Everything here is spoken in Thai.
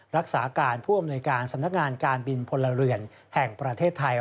รักษาการผู้อำนวยการสำนักงานการบินพลเรือนแห่งประเทศไทย